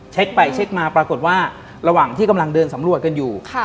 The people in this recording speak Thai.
เช็คไปเช็คมาปรากฏว่าระหว่างที่กำลังเดินสำรวจกันอยู่